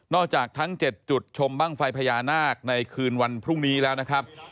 จากทั้ง๗จุดชมบ้างไฟพญานาคในคืนวันพรุ่งนี้แล้วนะครับ